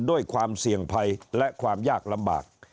ด้วยความเสี่ยงภัยและความยากลำบาก